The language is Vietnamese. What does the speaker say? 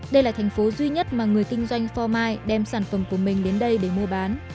đây là thành phố duy nhất mà người kinh doanh pho mai đem sản phẩm của mình đến đây để mua bán